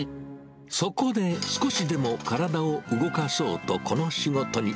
そこで、少しでも体を動かそうと、この仕事に。